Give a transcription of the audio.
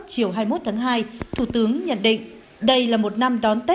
chúng tôi đối xử